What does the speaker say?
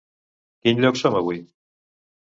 Quin lloc som avui?